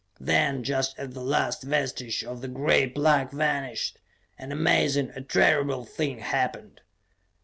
Then, just as the last vestige of the gray plug vanished; an amazing, a terrible thing happened.